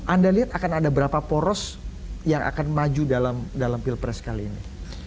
anda lihat akan ada berapa poros yang akan maju dalam pilpres kali ini